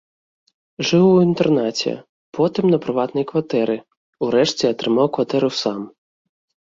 Жыў у інтэрнаце, потым на прыватнай кватэры, урэшце атрымаў кватэру сам.